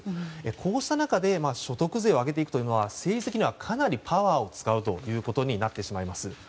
こうした中で所得税を上げていくというのは政治的にはかなりパワーを使うということになってしまいます。